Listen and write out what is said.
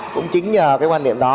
cũng chính nhờ cái quan điểm đó